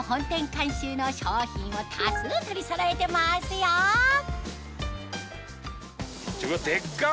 監修の商品を多数取りそろえてますよでっか！